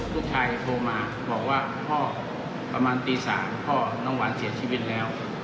โทรมาบอกว่าพ่อประมาณตี๓พ่อน้องหวานเสียชีวิตแล้ว